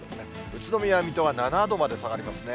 宇都宮、水戸は７度まで下がりますね。